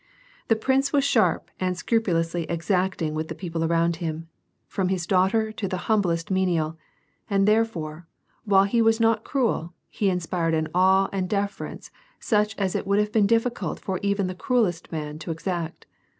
The prince was sharp and scrupulously exacting with the people around hun, from his daught^ to the humblest menial, and therefore, while he was not cruel, he inspired an awe and deference such as it would have been diflS.cult for even the cruelest man to exact.